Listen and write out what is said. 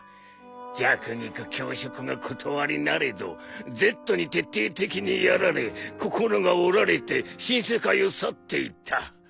弱肉強食がことわりなれどＺに徹底的にやられ心が折られて新世界を去っていった。